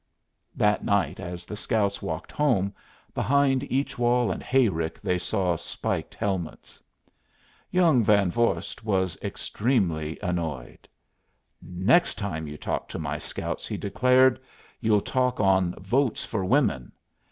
'" That night as the scouts walked home, behind each wall and hayrick they saw spiked helmets. Young Van Vorst was extremely annoyed. "Next time you talk to my scouts," he declared, "you'll talk on 'Votes for Women.'